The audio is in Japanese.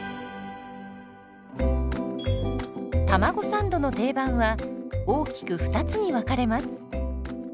たまごサンドの定番は大きく２つに分かれます。